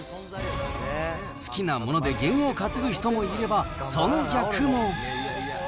好きなもので験を担ぐ人もいれば、その逆も。